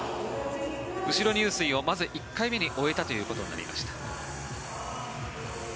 後ろ入水をまず１回目に終えたということになりました。